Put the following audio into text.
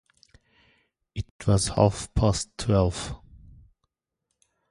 It was half-past twelve.